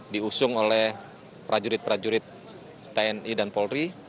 diusung oleh prajurit prajurit tni dan polri